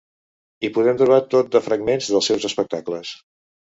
Hi podem trobar tot de fragments dels seus espectacles.